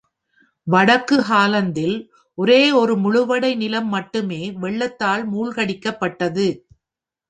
வடக்கு ஹாலந்தில் ஒரே ஒரு முழுவடை நிலம் மட்டுமே வெள்ளத்தால் மூழ்கடிக்கப்பட்டது.